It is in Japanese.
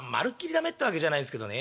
駄目ってわけじゃないんすけどね